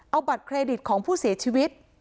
เอาบัตรเครดิตของผู้เสียชีวิต